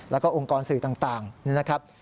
แล้วก็องค์กรสื่อต่างนี่นะครับ